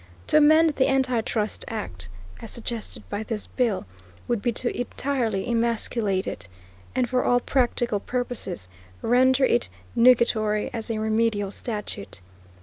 To amend the anti trust act, as suggested by this bill, would be to entirely emasculate it, and for all practical purposes render it nugatory as a remedial statute....